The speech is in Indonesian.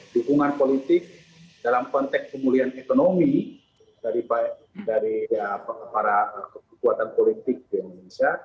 dukungan politik dalam konteks pemulihan ekonomi dari para kekuatan politik di indonesia